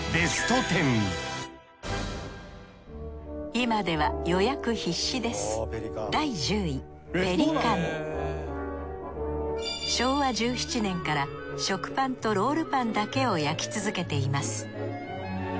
今では予約必至です昭和１７年から食パンとロールパンだけを焼き続けています。